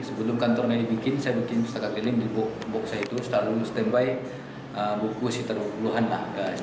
sebelum kantor ini dibikin saya bikin pustaka keliling di box box saya itu setelah lulus standby buku si terlaluan lah